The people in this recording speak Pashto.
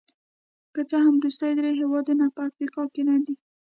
که څه هم وروستي درې هېوادونه په افریقا کې نه دي.